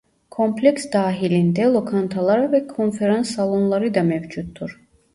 Kompleks dahilinde lokantalar ve konferans salonları da mevcuttur.